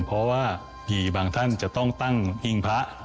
เพราะว่ามีบางท่านจะต้องตั้งหิ้งพระ